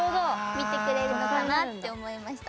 見てくれるのかなって思いました。